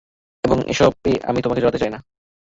এবং আমি এসবে তোমাকে জড়াতে চাইনা।